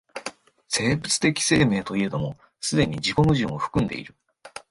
生物的生命といえども既に自己矛盾を含んでいる。